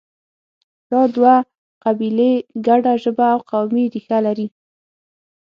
دا دوه قبیلې ګډه ژبه او قومي ریښه لري